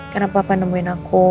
karena papa nemuin aku